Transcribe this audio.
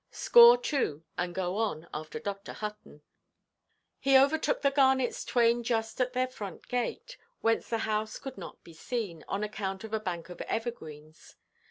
Score two, and go on after Dr. Hutton. He overtook the Garnets twain just at their front gate, whence the house could not be seen, on account of a bank of evergreens.